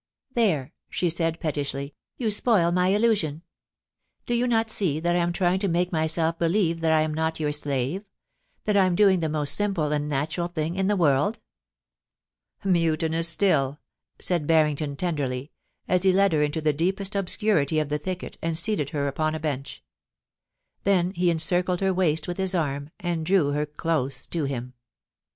'There,' said she, pettishly, *you spoil my illusion. Do you not see that I am tr)'ing to make myself believe that I am not your slave — that I am doing the most simple and natural thing in the world ?'* Mutinous still,' said Barrington tenderly, as he led her mto the deepest obscurity of the thicket, and seated her upon a bench. Then he encircled her waist with his arm, and drew her close to him.